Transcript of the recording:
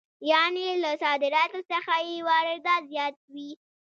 یانې له صادراتو څخه یې واردات زیات وي